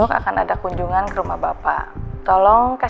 sayang papa cari mama dulu ya